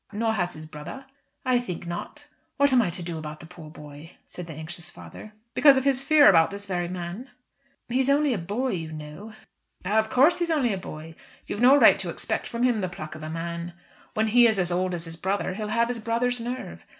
"Nor has his brother?" "I think not." "What am I to do about the poor boy?" said the anxious father. "Because of his fear about this very man?" "He is only a boy, you know." "Of course he is only a boy. You've no right to expect from him the pluck of a man. When he is as old as his brother he'll have his brother's nerve.